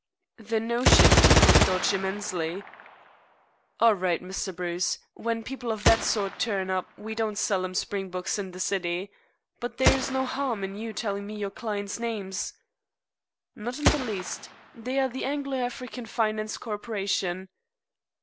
The notion tickled Dodge immensely. "All right, Mr. Bruce. When people of that sort turn up we don't sell 'em Springboks in the City. But there is no harm in you telling me your clients' names." "Not in the least. They are the Anglo African Finance Corporation."